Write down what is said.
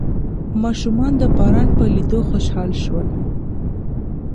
ماشومان د باران په لیدو خوشحال شول.